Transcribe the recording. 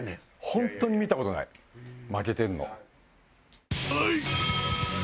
ホントに見た事ない負けてんの。